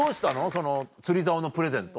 その釣り竿のプレゼント。